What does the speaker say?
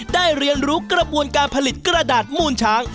เรียนรู้กระบวนการผลิตกระดาษมูลช้าง